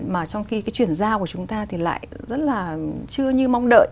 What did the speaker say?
mà trong khi cái chuyển giao của chúng ta thì lại rất là chưa như mong đợi